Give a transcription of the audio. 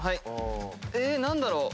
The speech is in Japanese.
何だろう？